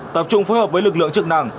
tập trung phối hợp với lực lượng trực năng